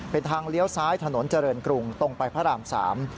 เป็นทางเลี้ยวซ้ายถนนเจริญกรุงตรงไปพระรามสาม